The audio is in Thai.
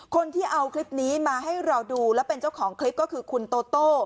คนที่เอาคลิปนี้มาให้เราดูและเป็นเจ้าของคลิปก็คือคุณโตโต้